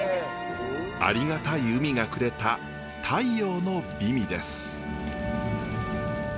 ありがたい海がくれた太陽の美味です。